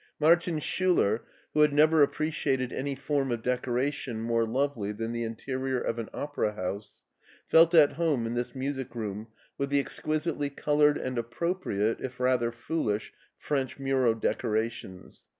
Martin Schiiler, who had never appreciated any form of decoration more lovely than the interior of an opera house, felt at home in this music room with the exquisitely colored and appropriate, if rather foolish, French mural decora tions.